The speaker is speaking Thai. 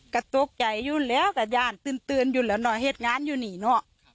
กระตุ๊กใหญ่อยู่แล้วแต่ย่านตื่นอยู่แล้วเนอะเหตุงานอยู่นี่เนอะ